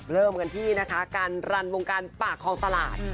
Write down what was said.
เริ่มกันที่นะคะการรันวงการปากคลองตลาด